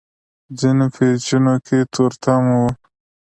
ځينو پېچونو کې تورتم و.